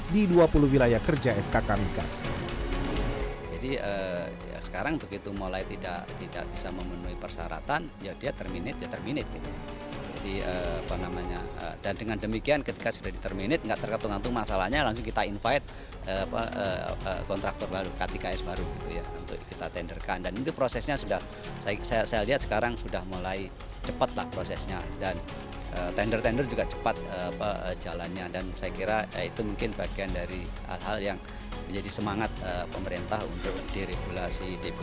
di dua puluh wilayah kerja sk kamigas